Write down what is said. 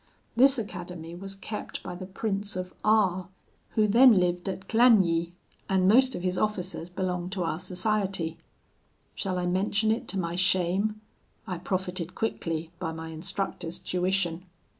This academy was kept by the Prince of R , who then lived at Clagny, and most of his officers belonged to our society. Shall I mention it to my shame? I profited quickly by my instructor's tuition.